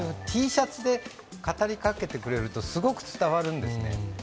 Ｔシャツで語りかけてくれると、すごく伝わるんですね。